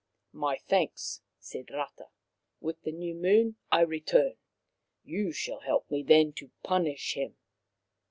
" My thanks," said Rata. " With the new moon I return. You shall help me then to punish him.